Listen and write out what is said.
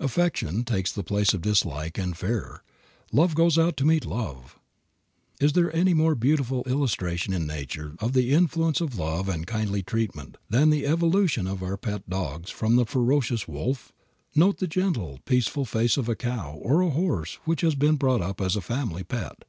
Affection takes the place of dislike and fear; love goes out to meet love. Is there any more beautiful illustration in Nature of the influence of love and kindly treatment than the evolution of our pet dogs from the ferocious wolf? Note the gentle, peaceful face of a cow or a horse which has been brought up as a family pet.